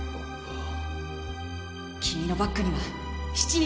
⁉ああ。